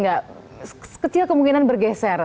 gak sekecil kemungkinan bergeser